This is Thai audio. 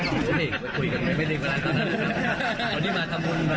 สมบัติการพลังมีชาติรักษ์ได้หรือเปล่า